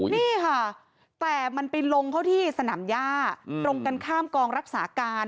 นี่ค่ะแต่มันไปลงเขาที่สนามย่าตรงกันข้ามกองรักษาการ